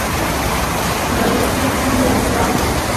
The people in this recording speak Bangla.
গায়ত্রীর বিয়ে নিয়ে এত তাড়া কীসের?